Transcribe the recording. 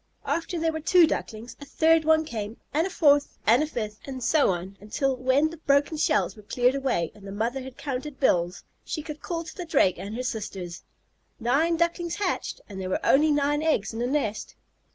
After there were two Ducklings, a third one came, and a fourth, and a fifth, and so on until, when the broken shells were cleared away and the mother had counted bills, she could call to the Drake and her sisters, "Nine Ducklings hatched, and there were only nine eggs in the nest."